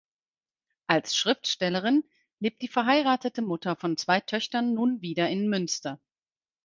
Als Schriftstellerin lebt die verheiratete Mutter von zwei Töchtern nun wieder in Münster.